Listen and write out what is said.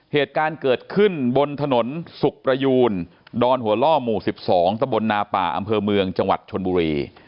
เหตุการณ์เกิดขึ้นบนถนนสุขประยูนดอนหัวล่อหมู่๑๒ตะบลนาป่าอำเภอเมืองจังหวัดชนบุรี